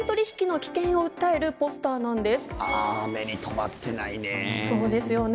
目に留まってないね。